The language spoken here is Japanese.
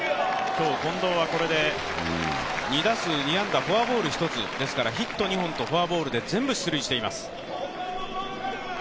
近藤はこれで２打数２安打フォアボール１つですからヒット２本とフォアボールで全部出塁しています。